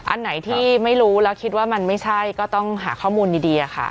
อันไหนที่ไม่รู้แล้วคิดว่ามันไม่ใช่ก็ต้องหาข้อมูลดีค่ะ